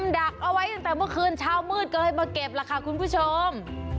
ดักเอาไว้ตั้งแต่เมื่อคืนเช้ามืดก็เลยมาเก็บล่ะค่ะคุณผู้ชม